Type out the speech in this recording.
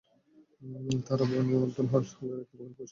তাঁরা বনু আব্দুল আশহালের একটি বাগানে প্রবেশ করলেন।